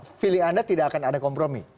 jadi pilih anda tidak akan ada kompromi